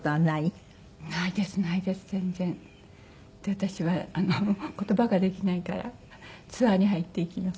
私は言葉ができないからツアーに入って行きますから。